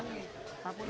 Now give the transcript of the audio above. ini adalah kekuasaan kita